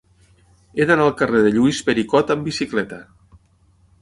He d'anar al carrer de Lluís Pericot amb bicicleta.